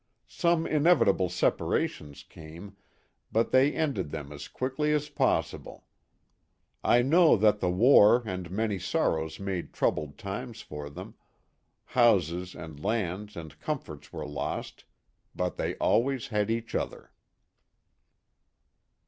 Some inevitable separations came, but they ended them as quickly as possible. I know that the war and many sor rows made troubled times for them houses and lands and comforts were lost but they always had each other.